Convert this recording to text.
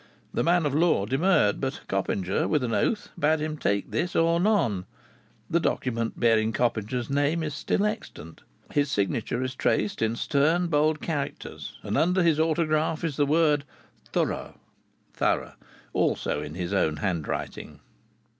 The man of law demurred, but Coppinger with an oath bade him take this or none. The document bearing Coppinger's name is still extant. His signature is traced in stern bold characters, and under his autograph is the word "Thuro" (thorough) also in his own handwriting.